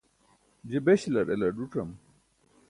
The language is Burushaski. je beśalar elar ẓuc̣am